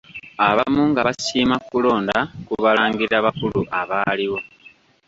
Abamu nga basiima kulonda ku Balangira bakulu abaaliwo.